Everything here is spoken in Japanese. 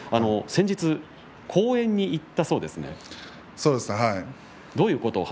先日公園に行ったそうですね。